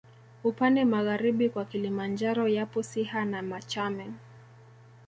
Upande magharibi kwa Kilimanjaro yapo Siha na Machame